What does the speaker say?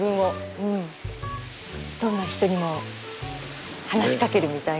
どんな人にも話しかけるみたいな。